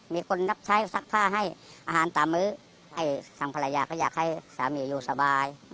มีคนรับใช้ซักผ้าให้อาหารตามมื้อทางภรรยาก็อยากให้สามีอยู่สบาย